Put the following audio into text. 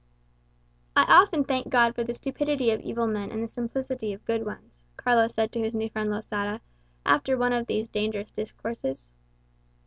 "I often thank God for the stupidity of evil men and the simplicity of good ones," Carlos said to his new friend Losada, after one of these dangerous discourses.